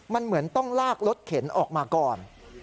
มันเหมือนต้องลากรถเข็นออกมาก่อน